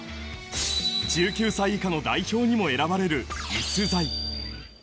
１９歳以下の代表にも選ばれる逸材。